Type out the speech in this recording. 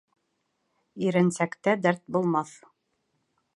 Иренсәктә дәрт булмаҫ.